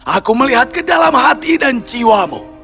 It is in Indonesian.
aku melihat ke dalam hati dan jiwamu